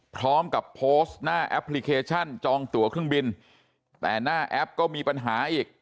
พร้อมกับโพสต์หน้าแอปพลิเคชันจองตัวเครื่องบินแต่หน้าแอปก็มีปัญหาอีก